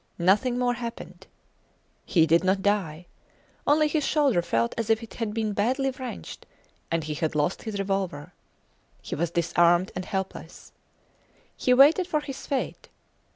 Nothing more happened. He did not die. Only his shoulder felt as if it had been badly wrenched, and he had lost his revolver. He was disarmed and helpless! He waited for his fate.